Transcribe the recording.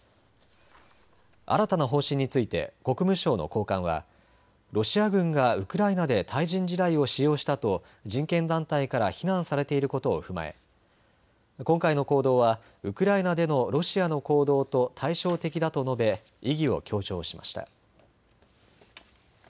新たな方針について国務省の高官はロシア軍がウクライナで対人地雷を使用したと人権団体から非難されていることを踏まえ今回の行動はウクライナでのロシアの行動と対照的だと述べ意義を強調しました。